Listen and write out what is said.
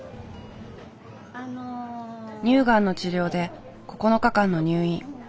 乳がんの治療で９日間の入院。